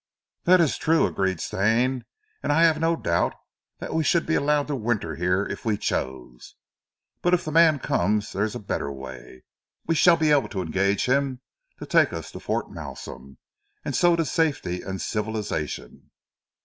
"That is true," agreed Stane, "and I have no doubt that we should be allowed to winter here if we chose. But if the man comes there is a better way. We shall be able to engage him to take us to Fort Malsun, and so to safety and civilization."